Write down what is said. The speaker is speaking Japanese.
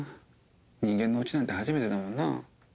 人間のうちなんて初めてだもんな。